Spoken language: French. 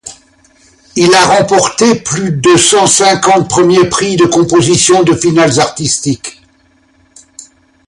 Il a remporté plus de cent-cinquante premier prix de composition de finales artistiques.